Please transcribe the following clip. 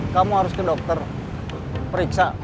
kamu harus ke dokter periksa